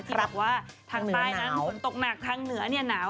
ที่บอกว่าทางใต้นั้นฝนตกหนักทางเหนือเนี่ยหนาว